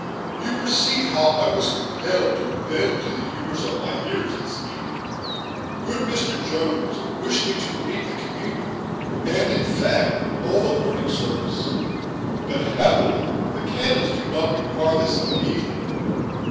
You perceive how I was compelled to bend to the humors of my hearers this evening. Good Mr. Jones wished me to read the communion, and, in fact, all the morning service; but, happily, the canons do not require this of an evening.